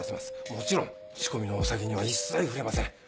もちろん仕込みのお酒には一切触れません。